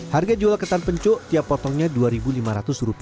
harga jual ketan pencok tiap potongnya rp dua lima ratus